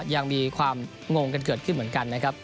ยังมีความงงกันเกิดขึ้นเหมือนกันนะครับ